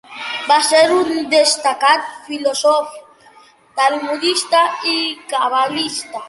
Va ser un destacat filòsof, talmudista i cabalista.